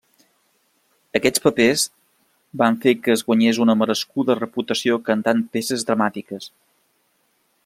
Aquests papers van fer que es guanyés una merescuda reputació cantant peces dramàtiques.